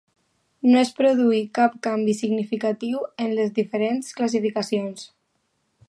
No es produí cap canvi significatiu en les diferents classificacions.